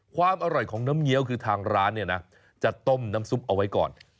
ความอร่อยของน้ำเงี้ยวคือทางร้านเนี่ยนะจะต้มน้ำซุปเอาไว้ก่อน